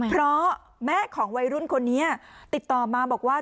เพราะแม่ของวัยรุ่นคนนี้ติดต่อมาบอกว่า